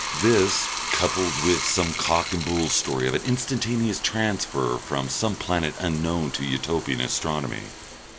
This, coupled with a cock and bull story of an instantaneous transfer from some planet unknown to Utopian astronomy.